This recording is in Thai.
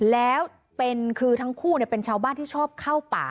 แล้วคือทั้งคู่เป็นชาวบ้านที่ชอบเข้าป่า